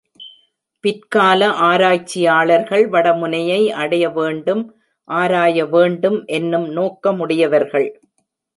பிற்கால ஆராய்ச்சியாளர்கள் வட முனையை அடைய வேண்டும், ஆராய வேண்டும் என்னும் நோக்கமுடையவர்கள்.